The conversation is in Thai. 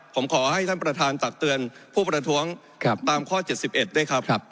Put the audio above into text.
ผมขอให้ท่านประธานตักเตือนผู้ประท้วงตามข้อ๗๑ด้วยครับ